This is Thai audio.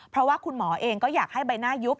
เพราะว่าคุณหมอเองก็อยากให้ใบหน้ายุบ